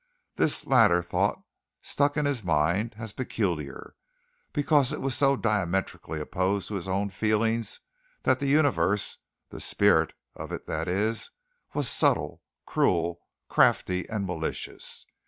This latter thought stuck in his mind as peculiar because it was so diametrically opposed to his own feelings that the universe, the spirit of it that is, was subtle, cruel, crafty, and malicious.